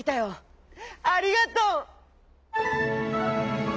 ありがとう！」。